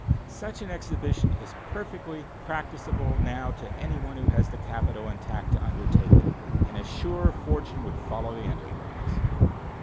Such an exhibition is perfectly practicable now to any one who has the capital and tact to undertake it, and a sure fortune would follow the enterprise.